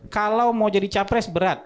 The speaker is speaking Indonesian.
kalau mau jadi capres berat